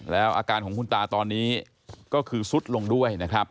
แล้วอาการของคุณตาตอนนี้ก็คือซุดลงด้วยนะครับ